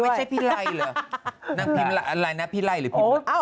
ไม่ใช่พี่ไล่เหรอนั่งพิมพ์อะไรนะพี่ไล่หรือพิมพ์